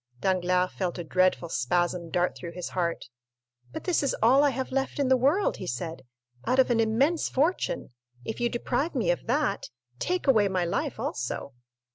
Danglars felt a dreadful spasm dart through his heart. "But this is all I have left in the world," he said, "out of an immense fortune. If you deprive me of that, take away my life also."